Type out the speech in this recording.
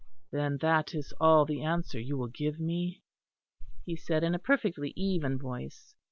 "Then that is all the answer you will give me?" he said, in a perfectly even voice.